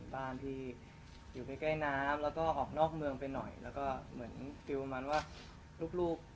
บ้านที่นำแล้วก็นอกมืองไปหน่อยและก็แม่งรู้ว่าลูก